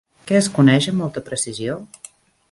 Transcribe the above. Què es coneix amb molta precisió?